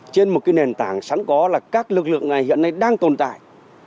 trên một nền tảng sẵn có là các lực lượng này hiện nay đang tồn tại